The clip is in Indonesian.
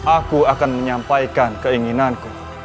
aku akan menyampaikan keinginanku